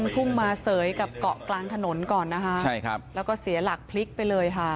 พุ่งมาเสยกับเกาะกลางถนนก่อนนะคะใช่ครับแล้วก็เสียหลักพลิกไปเลยค่ะ